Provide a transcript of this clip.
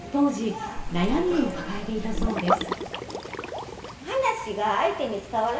当時、悩みを抱えていたそうです。